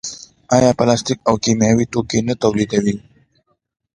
آیا پلاستیک او کیمیاوي توکي نه تولیدوي؟